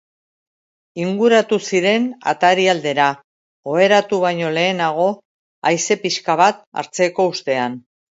Inguratu ziren atari aldera, oheratu baino lehenago haize pixka bat hartzeko ustean.